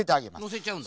のせちゃう？